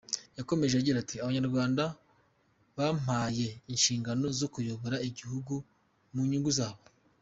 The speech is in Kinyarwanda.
Yakomeje agira ati “ Abanyarwanda bampaye inshingano zo kuyobora igihugu mu nyungu zabo.